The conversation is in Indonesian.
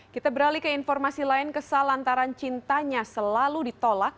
kita beralih ke informasi lain kesal antara cintanya selalu ditolak